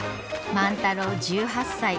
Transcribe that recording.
万太郎１８歳。